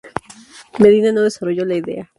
Medina no desarrolló la idea.